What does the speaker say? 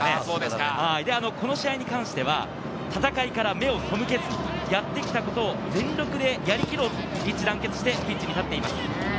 この試合に関しては、戦いから目を背けず、やってきたことを全力でやりきろうと、一致団結してピッチに立っています。